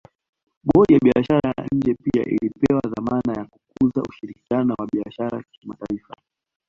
Bodi ya Biashara ya nje pia ilipewa dhamana ya kukuza ushirikiano wa biashara kimataifa